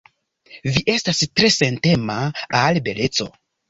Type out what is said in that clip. Vi estas tre sentema al beleco.